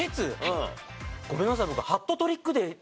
ごめんなさい。